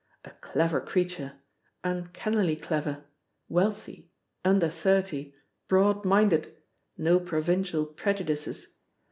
A clever creature! Uncannily clever! Wealthy! Under thirty! Broad minded! No provincial prejudices!